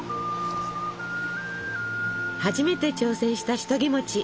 初めて挑戦したシトギ。